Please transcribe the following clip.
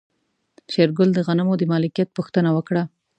شېرګل د غنمو د مالکيت پوښتنه وکړه.